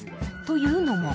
というのも。